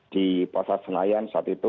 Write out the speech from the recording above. di pasar senayan saat itu